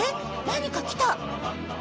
何か来た！